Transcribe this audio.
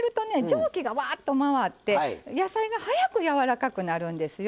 蒸気がわっと回って野菜がはやく柔らかくなるんですよ。